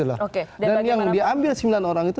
dan yang diambil sembilan orang itu